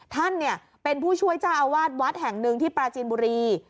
ท่านเป็นผู้ช่วยเจ้าอาวาสวัดแห่งหนึ่งที่ปราจีนบุรี